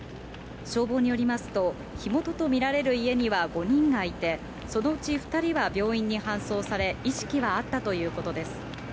消防によりますと、火元と見られる家には５人がいて、そのうち２人は病院に搬送され、意識はあったということです。